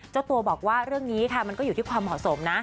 เจ้าตัวบอกว่าเรื่องนี้ค่ะมันก็อยู่ที่ความเหมาะสมนะ